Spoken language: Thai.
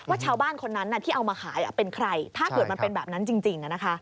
ชาวบ้านคนนั้นที่เอามาขายเป็นใครถ้าเกิดมันเป็นแบบนั้นจริง